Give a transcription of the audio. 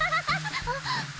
あっ。